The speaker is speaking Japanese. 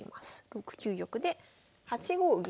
６九玉で８五銀。